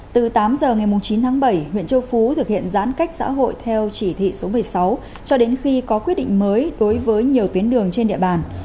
từ tám giờ ngày chín tháng bảy huyện châu phú thực hiện giãn cách xã hội theo chỉ thị số một mươi sáu cho đến khi có quyết định mới đối với nhiều tuyến đường trên địa bàn